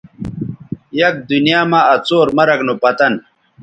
یک دنیاں مہ آ څور مرگ نو پتن